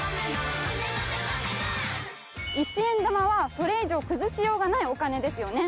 １円玉はそれ以上崩しようがないお金ですよね？